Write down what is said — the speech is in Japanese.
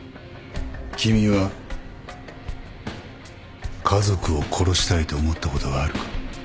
君は家族を殺したいと思ったことがあるか？